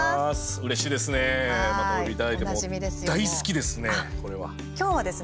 うれしいですね